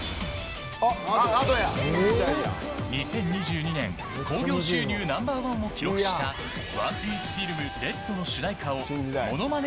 ２０２２年興行収入ナンバー１を記録した「ＯＮＥＰＩＥＣＥＦＩＬＭＲＥＤ」の主題歌をモノマネ